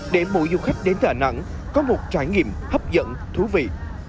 để mỗi du khách đến đà nẵng có một trải nghiệm hấp dẫn thú vị